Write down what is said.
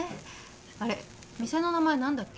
あれ店の名前何だっけ？